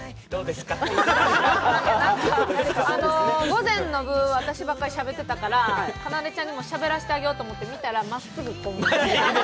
午前の部、私ばっかりしゃべってたからかなでちゃんにもしゃべらせてあげよと思って見たら、まっすぐ見てました。